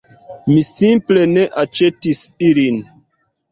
Mi simple ne aĉetis ilin